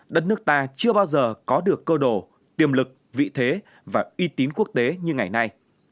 đất nước ta chưa bao giờ có được cơ đồ tiềm lực vị thế và uy tín quốc tế như ngày nay